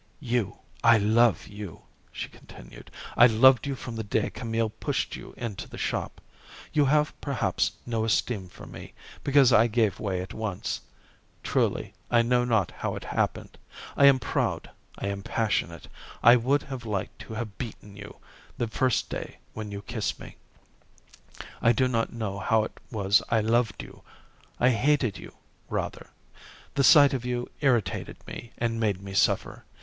"You, I love you," she continued. "I loved you from the day Camille pushed you into the shop. You have perhaps no esteem for me, because I gave way at once. Truly, I know not how it happened. I am proud. I am passionate. I would have liked to have beaten you, the first day, when you kissed me. I do not know how it was I loved you; I hated you rather. The sight of you irritated me, and made me suffer.